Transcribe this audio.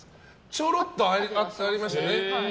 ちょろっとありましたね。